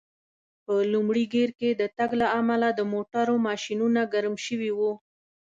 په لومړي ګېر کې د تګ له امله د موټرو ماشینونه ګرم شوي و.